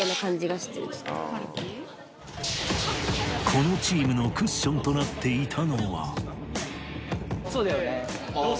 このチームのクッションとなっていたのはそうだよね。